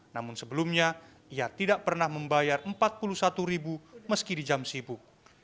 namun sebelumnya ia tidak pernah membayar rp empat puluh satu meski di jam sibuk